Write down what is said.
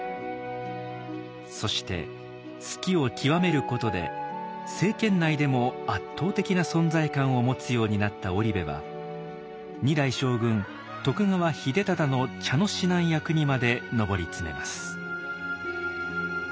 そして数寄を究めることで政権内でも圧倒的な存在感を持つようになった織部は二代将軍徳川秀忠の茶の指南役にまで上り詰めます。